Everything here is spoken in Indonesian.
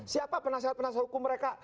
siapa penasihat penasihat hukum mereka